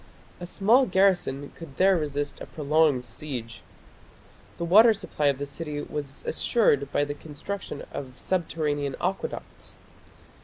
A small garrison could there resist a prolonged siege. The water supply of the city was assured by the construction of subterranean aqueducts.